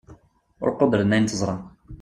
ur quddren ayen teẓṛa